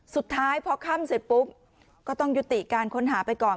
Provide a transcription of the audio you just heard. สุดท้ายพอค่ำเสร็จปุ๊บก็ต้องยุติการค้นหาไปก่อน